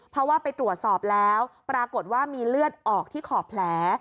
เพราะว่าไปตรวจสอบแล้วปรากฏว่ามีเลือดออกที่ขอบแผล